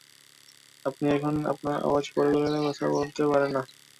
আপনি এখানে আপনার আওয়াজ বড় করে কথা বলতে পারেন না।